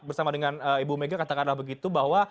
bersama dengan ibu mega kata kata begitu bahwa